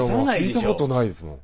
聞いたことないですもん。